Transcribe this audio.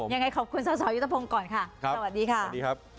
ยังไงขอบคุณสาวยุตภงก่อนค่ะสวัสดีค่ะ